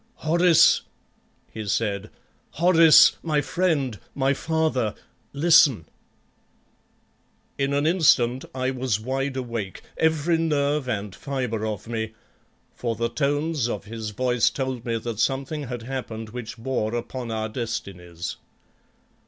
"Horace," he said, "Horace, my friend, my father, listen!" In an instant I was wide awake, every nerve and fibre of me, for the tones of his voice told me that something had happened which bore upon our destinies.